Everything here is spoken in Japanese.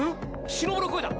しのぶの声だ！